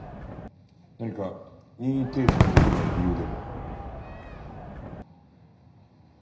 何か任意提出できない理由でも？